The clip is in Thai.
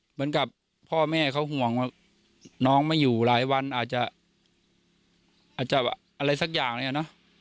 เหมือนกับพ่อแม่เขาห่วงว่าน้องไม่อยู่หลายวันอาจจะอาจจะอะไรสักอย่างเนี่ยเนอะ